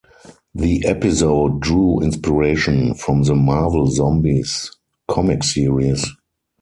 The episode drew inspiration from the "Marvel Zombies" comic series.